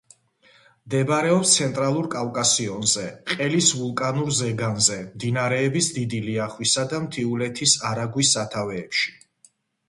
მდებარეობს ცენტრალურ კავკასიონზე, ყელის ვულკანურ ზეგანზე, მდინარეების დიდი ლიახვისა და მთიულეთის არაგვის სათავეებში.